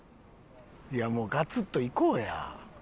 いやもうガツッといこうや。